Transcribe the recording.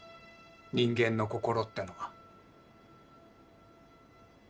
人間の心ってのは？